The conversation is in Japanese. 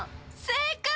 正解！